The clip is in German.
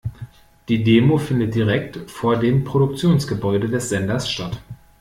Die Demo findet direkt vor dem Produktionsgebäude des Senders statt.